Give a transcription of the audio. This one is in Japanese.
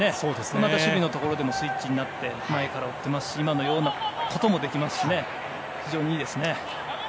また、守備のところでもスイッチになって前から追っていますし今のようなこともできますし非常にいいですね。